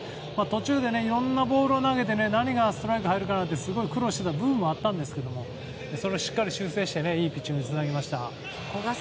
途中でいろいろなボールを投げて何がストライク入るかすごい苦労していた部分もあったんですけどそれをしっかり修正していいピッチングにつなげました。